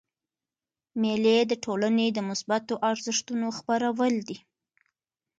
مېلې د ټولني د مثبتو ارزښتو خپرول دي.